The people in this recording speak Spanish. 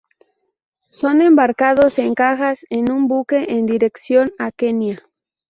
Son embarcados en cajas en un buque, en dirección a Kenia.